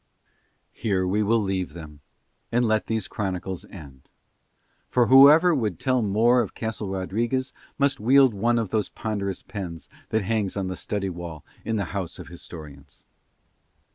Here we will leave them, and let these Chronicles end. For whoever would tell more of Castle Rodriguez must wield one of those ponderous pens that hangs on the study wall in the house of historians.